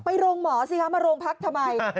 โรงหมอสิคะมาโรงพักทำไม